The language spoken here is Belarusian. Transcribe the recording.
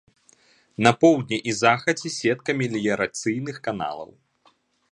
На поўдні і захадзе сетка меліярацыйных каналаў.